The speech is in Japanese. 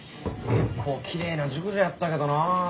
結構きれいな熟女やったけどな。